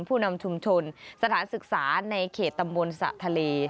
ผู้นำชุมชนสถานศึกษาในเขตตำบลสระทะเล